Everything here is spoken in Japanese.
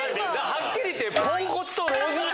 はっきり言って。